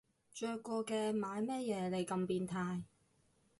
着過嘅買乜嘢你咁變態